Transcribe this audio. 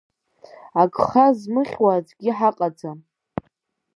Агха змыхьуа аӡәгьы ҳаҟаӡам…